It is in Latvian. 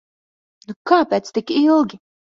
Nu kāpēc tik ilgi?